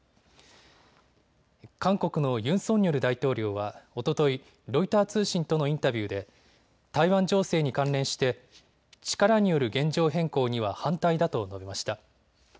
韓国のユン・ソンニョル大統領はおとといロイター通信とのインタビューで台湾情勢に関連して力による現状変更には反対だと述べました。